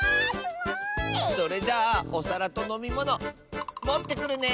それじゃあおさらとのみものもってくるね！